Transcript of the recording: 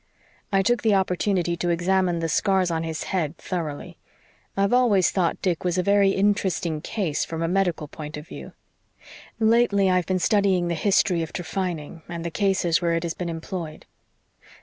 "I took the opportunity to examine the scars on his head thoroughly. I've always thought Dick was a very interesting case from a medical point of view. Lately I've been studying the history of trephining and the cases where it has been employed.